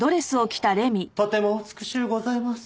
とてもお美しゅうございます。